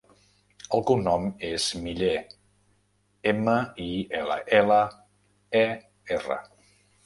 El cognom és Miller: ema, i, ela, ela, e, erra.